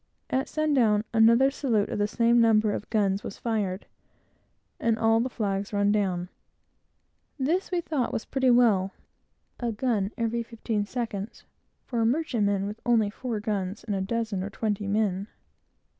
At sun down, another salute of the same number of guns was fired, and all the flags run down. This we thought was pretty well a gun every fifteen seconds for a merchantman with only four guns and a dozen or twenty men.